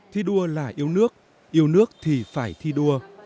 thi đua là yêu nước yêu nước thì phải thi đua